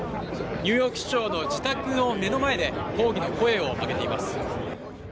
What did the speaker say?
ニューヨーク市長の自宅の目の前で抗議の声を上げています。